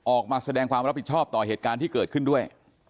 ออกมาแสดงความรับผิดชอบต่อเหตุการณ์ที่เกิดขึ้นด้วย